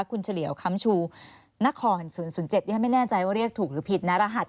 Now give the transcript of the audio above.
คุณเฉลี่ยวคำชูนคร๐๐๗ที่ฉันไม่แน่ใจว่าเรียกถูกหรือผิดนะรหัส